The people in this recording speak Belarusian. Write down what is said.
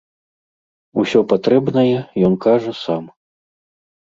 Усё патрэбнае ён кажа сам.